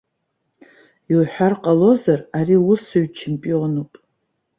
Иуҳәар ҟалозар, ари усуҩ-чемпионуп.